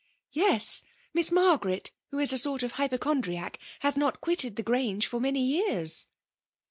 " Yes ! Miss Margaret, who is a s<M't of hypochondriac, has not quitted the Grange for many years."